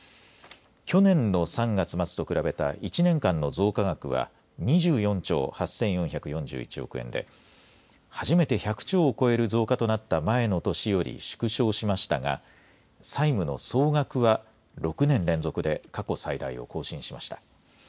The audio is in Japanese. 去年の３月末と比べた１年間の増加額は２４兆８４４１億円で、初めて１００兆を超える増加となった前の年より縮小しましたが、債務の総額は６年連続で過去最大を更新しました。